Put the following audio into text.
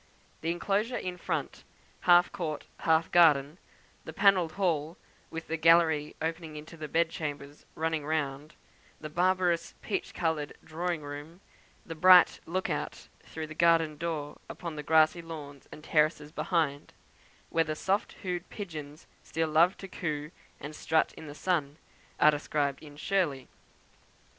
The enclosure in front, half court, half garden; the panelled hall, with the gallery opening into the bed chambers running round; the barbarous peach coloured drawing room; the bright look out through the garden door upon the grassy lawns and terraces behind, where the soft hued pigeons still love to coo and strut in the sun, are described in "Shirley."